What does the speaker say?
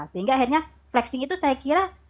sehingga akhirnya flexing itu saya kira